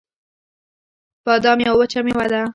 بادام یوه وچه مېوه ده